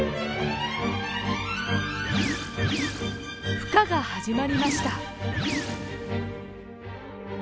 ふ化が始まりました。